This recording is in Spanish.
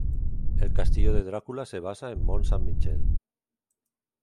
El castillo de Drácula se basa en Mont Saint- Michel.